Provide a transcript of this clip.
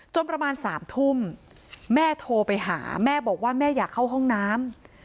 ประมาณ๓ทุ่มแม่โทรไปหาแม่บอกว่าแม่อยากเข้าห้องน้ำ